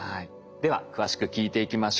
では詳しく聞いていきましょう。